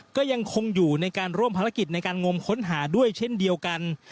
ก็ยังคงอยู่ในการร่วมภารกิจในการงมค้นหาด้วยเช่นเดียวกัน